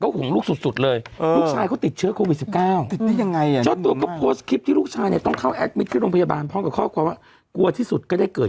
ก็ห่วงลูกสุดสุดเลยลูกชายเขาติดเชื้อโควิด๑๓ยังไงสมี่ลูกภาวะกัวรกัดที่สุดก็ได้เกิด